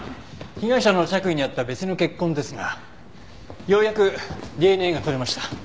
被害者の着衣にあった別の血痕ですがようやくＤＮＡが取れました。